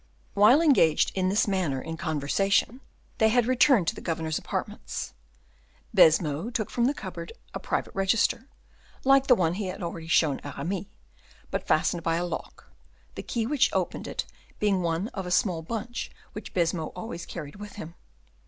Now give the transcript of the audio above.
While engaged in this manner in conversation, they had returned to the governor's apartments; Baisemeaux took from the cupboard a private register, like the one he had already shown Aramis, but fastened by a lock, the key which opened it being one of a small bunch which Baisemeaux always carried with him.